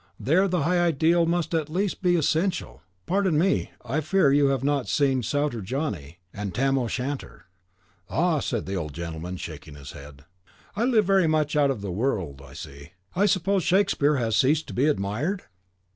THERE the high ideal must at least be essential!" "Pardon me; I fear you have not seen Souter Johnny and Tam O'Shanter." "Ah!" said the old gentleman, shaking his head, "I live very much out of the world, I see. I suppose Shakespeare has ceased to be admired?"